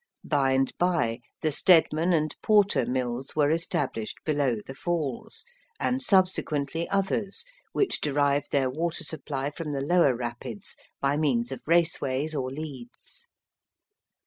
By and by, the Stedman and Porter mills were established below the Falls; and subsequently, others which derived their water supply from the lower rapids by means of raceways or leads.